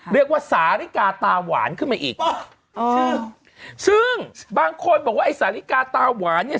เรียกว่าสาริกาตาหวานขึ้นมาอีกซึ่งบางคนบอกว่าไอ้สาลิกาตาหวานเนี่ย